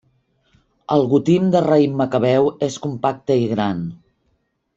El gotim de raïm macabeu és compacte i gran.